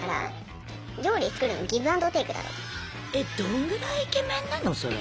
えっどんぐらいイケメンなのそれ。